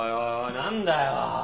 何だよ？